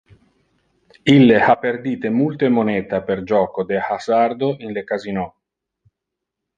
Ille ha perdite multe moneta per joco de hasardo in le casino.